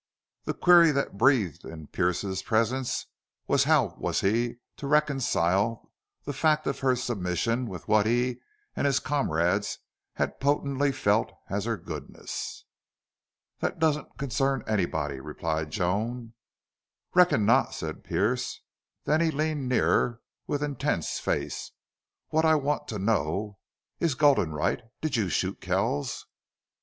The query that breathed in Pearce's presence was how was he to reconcile the fact of her submission with what he and his comrades had potently felt as her goodness? "That doesn't concern anybody," replied Joan. "Reckon not," said Pearce. Then he leaned nearer with intense face. "What I want to know is Gulden right? Did you shoot Kells?"